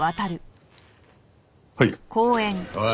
はい。